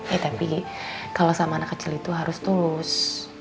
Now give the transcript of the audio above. ya tapi kalau sama anak kecil itu harus tulus